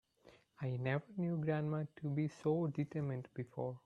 I never knew grandma to be so determined before.